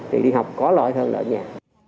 thì đi học có loại hơn là ở nhà